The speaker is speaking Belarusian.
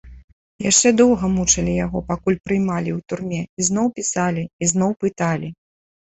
Яшчэ доўга мучалі яго, пакуль прыймалі ў турме, ізноў пісалі, ізноў пыталі.